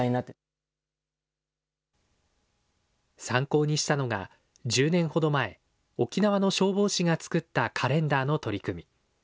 参考にしたのが、１０年ほど前、沖縄の消防士が作ったカレンダーの取り組み。